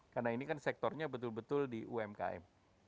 karena ini kan sektornya betul betul di umkm